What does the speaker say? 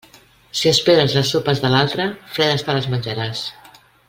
Si esperes les sopes de l'altre, fredes te les menjaràs.